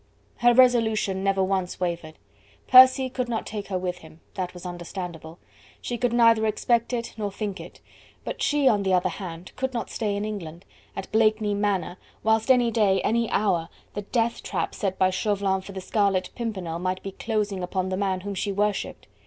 Her resolution never once wavered. Percy would not take her with him: that was understandable. She could neither expect it nor think it. But she, on the other hand, could not stay in England, at Blakeney Manor, whilst any day, any hour, the death trap set by Chauvelin for the Scarlet Pimpernel might be closing upon the man whom she worshipped.